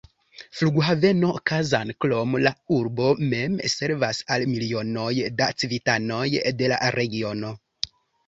Flughaveno Kazan, krom la urbo mem, servas al milionoj da civitanoj de la regiono.